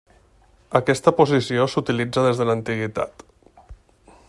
Aquesta posició s'utilitza des de l'antiguitat.